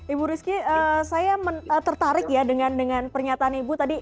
ibu rizky saya tertarik ya dengan pernyataan ibu tadi